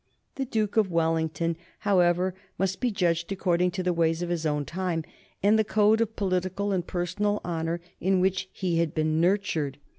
The Duke of Wellington, however, must be judged according to the ways of his own time, and the code of political and personal honor in which he had been nurtured.